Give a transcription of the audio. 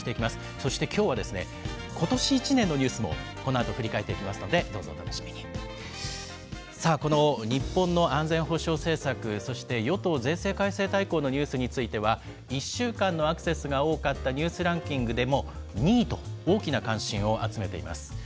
そしてきょうは、ことし一年のニュースもこのあと振り返っていきますので、どうぞおたのしみにさあこの日本の安全保障政策、そして与党税制改正大綱のニュースについては、１週間のアクセスが多かったニュースランキングでも２位と、大きな関心を集めています。